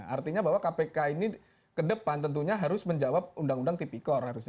artinya bahwa kpk ini ke depan tentunya harus menjawab undang undang tipikor harusnya